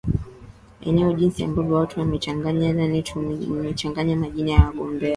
eona jinsi ambavyo watu wamechanganya nani tume imechanganya majina ya wagombea